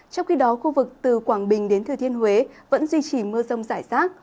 trong khi đó khu vực từ quảng bình đến thừa thiên huế vẫn duy trì mưa rông rải rác